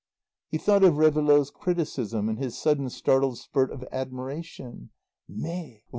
He thought of Réveillaud's criticism, and his sudden startled spurt of admiration: "Mais!